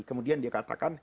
kemudian dia katakan